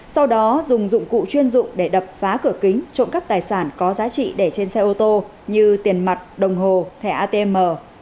sau đó dùng dụng cụ chuyên dụng để đập phá cửa kính trộm cắp tài sản có giá trị để trên xe ô tô như tiền mặt đồng hồ thẻ atm